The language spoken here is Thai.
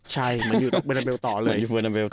ใช่เหมือนอยู่ต่อเบอร์นาเบลต่อเลย